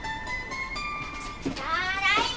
ただいま！